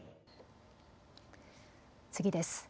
次です。